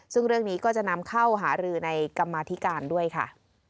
ซึ่งเรื่องนี้ก็จะนำเข้าหารือในกรรมาธิการด้วยค่ะ